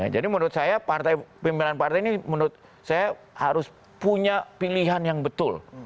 menurut saya pimpinan partai ini menurut saya harus punya pilihan yang betul